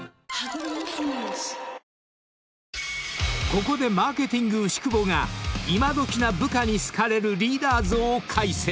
［ここでマーケティング牛窪が今どきな部下に好かれるリーダー像を解説］